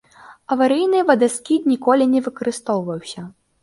Аварыйны вадаскід ніколі не выкарыстоўваўся.